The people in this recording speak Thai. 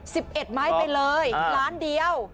สิบเอ็ดไม้ไปเลยล้านเดียว